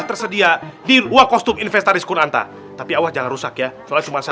terus letak wdl palingesten ini m male